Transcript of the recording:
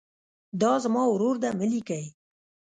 دا زما ورور ده مه لیکئ.